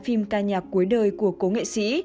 phim ca nhạc cuối đời của cô nghệ sĩ